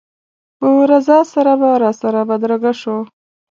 په رضا سره به راسره بدرګه شو.